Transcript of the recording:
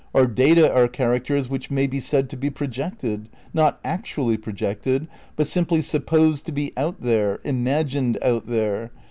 Our data are characters which may be said to be projected. ... Not actually projected ... but simply supposed to be out there, 'imagined' out there